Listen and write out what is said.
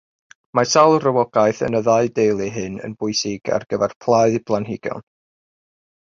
Mae sawl rhywogaeth yn y ddau deulu hyn yn bwysig ar gyfer plâu planhigion.